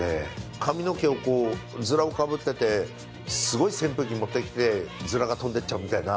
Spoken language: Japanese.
髪の毛をこうヅラをかぶっててすごい扇風機持ってきてヅラが飛んでっちゃうみたいな。